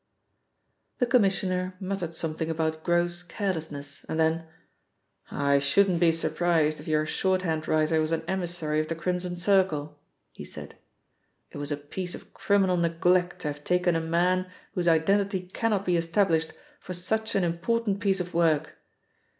The Commissioner muttered something about gross carelessness, and then: "I shouldn't be surprised if your shorthand writer was an emissary of the Crimson Circle," he said. "It was a piece of criminal neglect to have taken a man whose identity cannot be established for such an important piece of work.